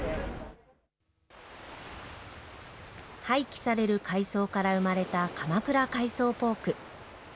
廃棄される海藻から生まれた鎌倉海藻ポーク。